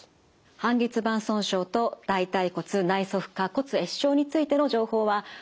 半月板損傷と大腿骨内側顆骨壊死症についての情報はホームページ